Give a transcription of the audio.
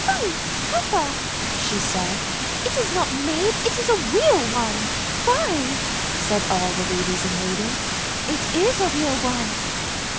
" Fie, papa! " she said; " it is not made, it is a real one! "" Fie," said all the ladies in waiting; " it is a real one!